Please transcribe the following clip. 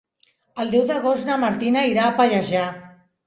El deu d'agost na Martina irà a Pallejà.